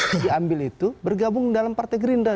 diambil itu bergabung dalam partai gerinda